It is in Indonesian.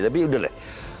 tapi udah deh